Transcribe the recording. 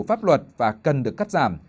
pháp luật và cần được cắt giảm